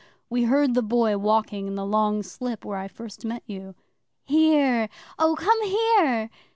We heard the Boy walking in the Long Slip where I first met you. '"Here, oh, come here!"